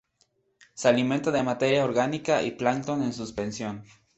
Se alimenta de materia orgánica y plancton en suspensión.